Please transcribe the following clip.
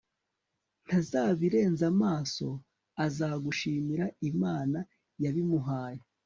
ntazabirenza amaso, azagushimira imana yabimuhaye